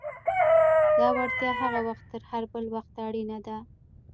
دا وړتیا هغه وخت تر هر بل وخت اړینه ده.